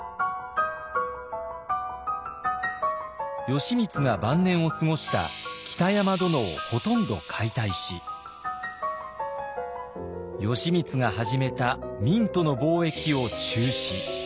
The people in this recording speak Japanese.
義満が晩年を過ごした北山殿をほとんど解体し義満が始めた明との貿易を中止。